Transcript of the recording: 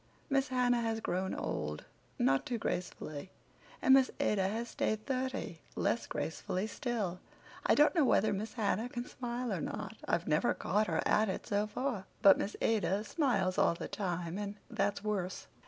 Miss Hannah has grown old, not too gracefully, and Miss Ada has stayed thirty, less gracefully still. I don't know whether Miss Hannah can smile or not; I've never caught her at it so far, but Miss Ada smiles all the time and that's worse.